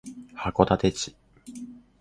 函館市